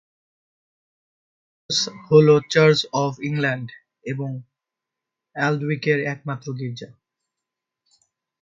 Saint Peter's Church হল Church of England এবং এলউইকের একমাত্র গির্জা।